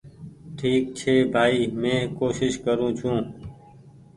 ٺيڪ ڇي ڀآئي مينٚ ڪوشش ڪررو ڇوٚنٚ